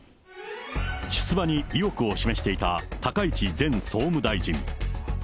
出馬に意欲を示していた高市前総務大臣。